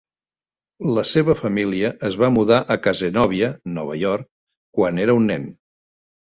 La seva família es va mudar a Cazenovia, Nova York, quan era un nen.